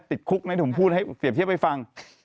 ติดคุกไหมผมพูดให้เปรียบเทียบให้ฟัง